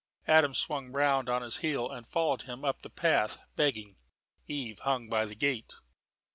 Adam swung round on his heel and followed him up the path, begging. Eve hung by the gate.